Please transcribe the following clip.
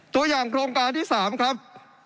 ตัวอย่างโครงการที่๓ครับ